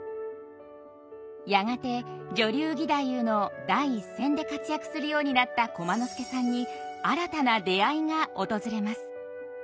やがて女流義太夫の第一線で活躍するようになった駒之助さんに新たな出会いが訪れます。